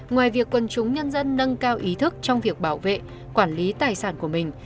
ngoài việc quần chúng nhân dân nâng cao ý thức trong việc bảo vệ quản lý tài sản của mình